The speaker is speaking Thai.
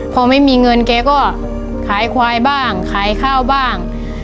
พอไม่มีเงินแกก็ขายควายบ้างขายข้าวบ้าง